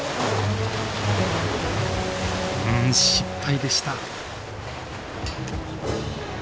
うん失敗でした。